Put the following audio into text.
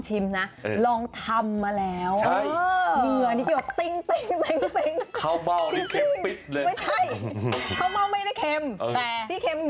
ที่เค็มเหงือดิฉันไม่ได้หุ่นชิมหรอ